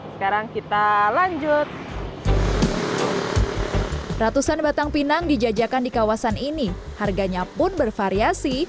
sekarang kita lanjut ratusan batang pinang dijajakan di kawasan ini harganya pun bervariasi